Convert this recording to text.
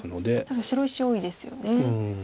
確かに白石多いですよね。